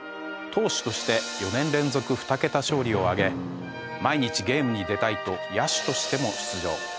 投手として４年連続２桁勝利を挙げ「毎日ゲームに出たい」と野手としても出場。